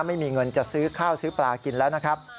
ไม่มีเงินจะซื้อข้าวซื้อปลากินแล้วนะครับ